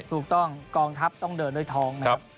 กองทัพต้องเดินด้วยท้องนะครับ